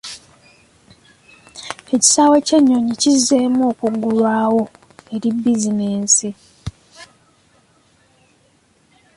Ekisaawe ky'ennyonyi kizzeemu okuggulwawo eri bizinensi.